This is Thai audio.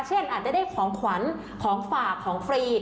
อาจจะได้ของขวัญของฝากของฟรี